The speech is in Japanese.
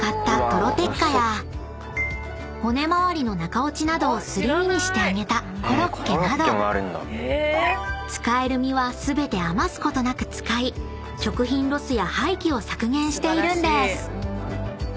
［骨まわりの中落ちなどをすり身にして揚げたコロッケなど使える身は全て余すことなく使い食品ロスや廃棄を削減しているんです］